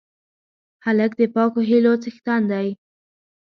هلک د پاکو هیلو څښتن دی.